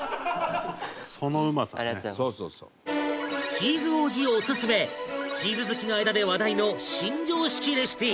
チーズ王子オススメチーズ好きの間で話題の新常識レシピ